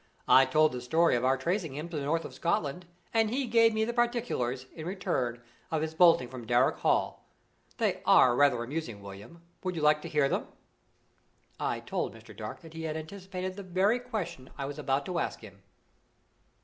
I told the story of our tracing him to the north of Scotland, and he gave me the particulars, in return, of his bolting from Darrock Hall. They are rather amusing, William; would you like to hear them?" I told Mr. Dark that he had anticipated the very question I was about to ask him.